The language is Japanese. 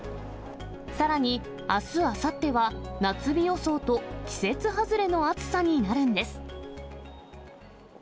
さらに、あす、あさっては夏日予想と、季節外れの暑さになるんです。